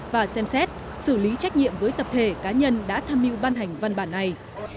và xem xét xử lý trách nhiệm với tập thể cá nhân đã tham mưu ban hành văn bản này